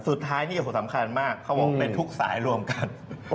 สุดท้ายนี่ก็สำคัญมากเขาบอกเป็นทุกสายรวมกัน